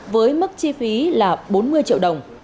với mức chi phí là bốn mươi triệu đồng